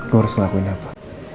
gue harus ngelakuin apa